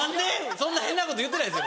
そんな変なこと言ってないですよ